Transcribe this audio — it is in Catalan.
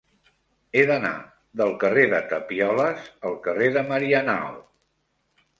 He d'anar del carrer de Tapioles al carrer de Marianao.